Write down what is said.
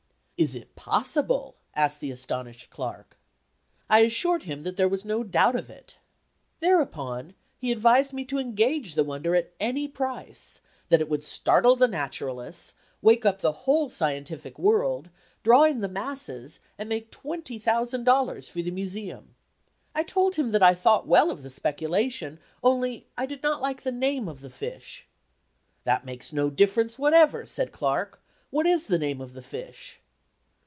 "Is it possible!" asked the astonished Clark. I assured him that there was no doubt of it. Thereupon he advised me to engage the wonder at any price; that it would startle the naturalists, wake up the whole scientific world, draw in the masses, and make $20,000 for the Museum. I told him that I thought well of the speculation, only I did not like the name of the fish. "That makes no difference whatever," said Clark; "what is the name of the fish?"